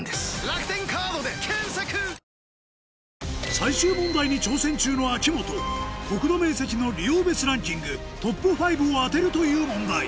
最終問題に挑戦中の秋元国土面積利用別ランキングトップ５を当てるという問題